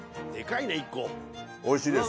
おいしいです。